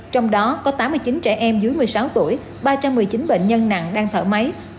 trong đó có tám mươi chín trẻ em dưới một mươi sáu tuổi ba trăm một mươi chín bệnh nhân nặng đang thở máy